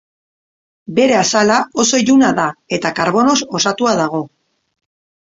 Bere azala, oso iluna da, eta karbonoz osatua dago.